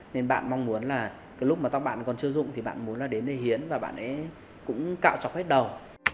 nên bạn mong muốn là lúc mà tóc bạn còn chưa dụng thì bạn muốn là đến đây hiến và bạn ấy cũng cạo chọc hết đầu